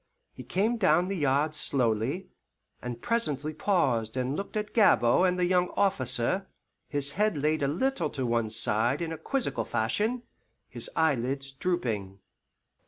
He came down the yard slowly, and presently paused and looked at Gabord and the young officer, his head laid a little to one side in a quizzical fashion, his eyelids drooping.